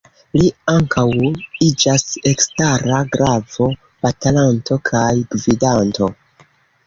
Li ankaŭ iĝas elstara glavo-batalanto kaj gvidanto.